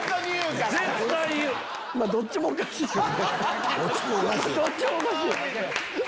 そっちもおかしいやろ！